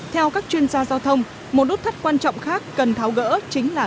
theo các chuyên gia giao thông một nút thắt quan trọng khác cần tháo gỡ chính là